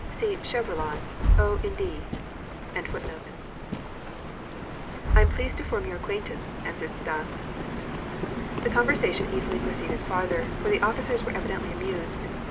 See Chevrillon, "Aux Indes."] "I am pleased to form your acquaintance," answered Stas. The conversation easily proceeded farther, for the officers were evidently amused.